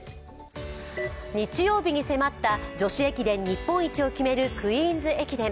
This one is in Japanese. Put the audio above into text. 日曜日に迫った女子駅伝日本一を決めるクイーンズ駅伝。